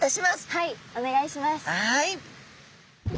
はい！